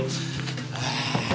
ああ。